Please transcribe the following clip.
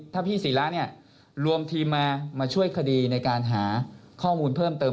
ถ้าพี่ศิราเนี่ยรวมทีมมาช่วยคดีในการหาข้อมูลเพิ่มเติม